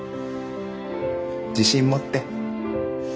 自信持って。